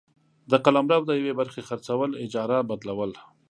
د قلمرو د یوې برخي خرڅول ، اجاره ، بدلول،